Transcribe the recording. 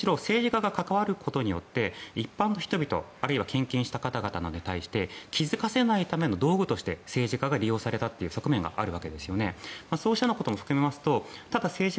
むしろ政治家が関わることによって一般の人々あるいは献金した人たちに対して気付かせないための道具として政治家が利用された側面もあるんですよね。